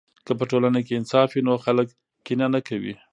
که په ټولنه کې انصاف وي نو خلک کینه نه کوي.